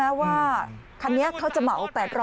แต่ว่าคันนี้เขาจะเหมา๘๐๐บาท